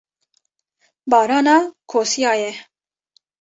barana kosiya ye.